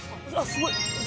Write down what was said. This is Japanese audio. すごい。